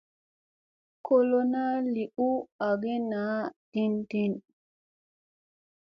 Ko lona li u agiya na din din.